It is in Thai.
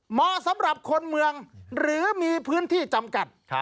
เหมาะสำหรับคนเมืองหรือมีพื้นที่จำกัด